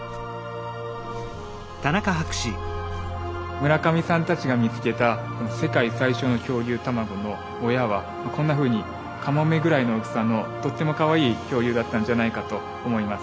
村上さんたちが見つけたこの世界最小の恐竜卵の親はこんなふうにカモメぐらいの大きさのとってもかわいい恐竜だったんじゃないかと思います。